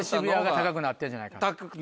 高くなってんじゃないか。